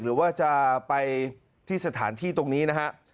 หรือว่าจะไปที่สถานที่ตรงนี้นะฮะ